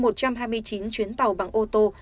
một trăm hai mươi chín chuyến tàu bằng ô tô